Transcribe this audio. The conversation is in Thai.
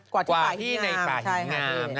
กว่าที่ป่าหินงาม